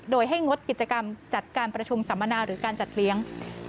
โดยให้งดกิจกรรมจัดการประชุมสัมมนาหรือการจัดเลี้ยง